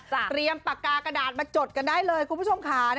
เตรียมปากกากระดาษมาจดกันได้เลยคุณผู้ชมค่ะ